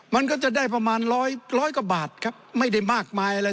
มันก็จะได้ประมาณร้อยร้อยกว่าบาทครับไม่ได้มากมายอะไร